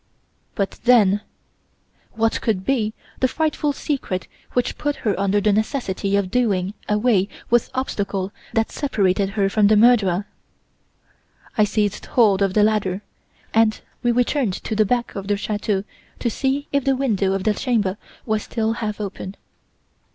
But, then, what could be the frightful secret which put her under the necessity of doing away with obstacles that separated her from the murderer? "I seized hold of the ladder, and we returned to the back of the chateau to see if the window of the chamber was still half open.